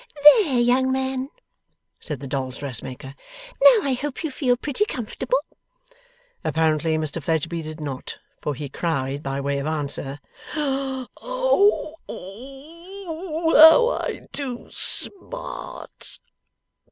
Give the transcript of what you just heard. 'There, young man!' said the dolls' dressmaker. 'Now I hope you feel pretty comfortable?' Apparently, Mr Fledgeby did not, for he cried by way of answer, 'Oh h how I do smart!